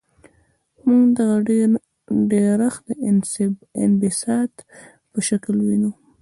موږ دغه ډیرښت د انبساط په شکل وینو.